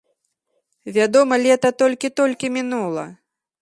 Вядома, лета толькі-толькі мінула!